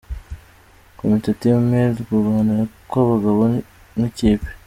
Kumite Team Male: Kurwana kw’abagabo nk’ikipe.